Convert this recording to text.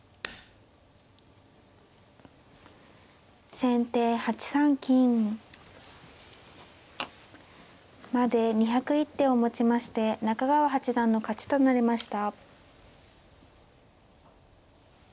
先手８三金。まで２０１手をもちまして中川八段の勝ちとなりました。